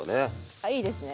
はいあいいですね。